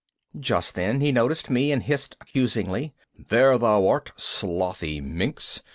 _ Just then he noticed me and hissed accusingly, "There thou art, slothy minx!